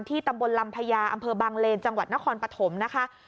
ตำบลลำพญาอำเภอบางเลนจังหวัดนครปฐมนะคะ